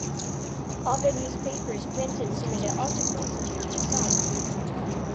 Other newspapers printed similar articles to "The Sun".